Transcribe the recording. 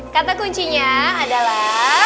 kata kuncinya adalah